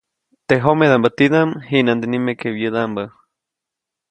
Teʼ jomedaʼmbä tidaʼm, jiʼnande nimeke wyädaʼmbä.